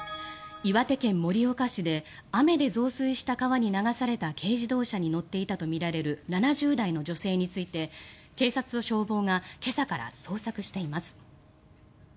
岩手県盛岡市で雨で増水した川に流された軽自動車に乗っていたとみられる７０代の女性について警察と消防が今朝から捜索しています。